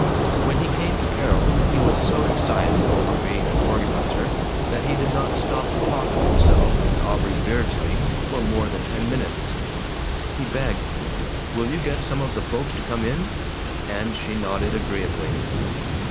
When he came to Carol he was so excited over being an organizer that he did not stop to talk of himself and Aubrey Beardsley for more than ten minutes. He begged, "Will you get some of the folks to come in?" and she nodded agreeably.